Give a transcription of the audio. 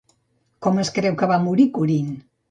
Com es creu que va morir Corint?